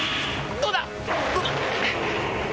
どうだ？